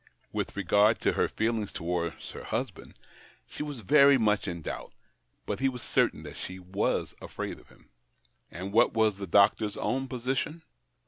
With regard to her feelings towards her husband, he was very much in doubt; but he was certain that she was afraid of him. And what was the doctor's own position